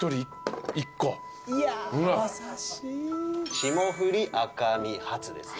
霜降り赤身ハツですね。